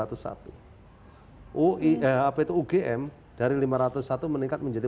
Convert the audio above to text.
ugm dari lima ratus satu meningkat menjadi empat ratus satu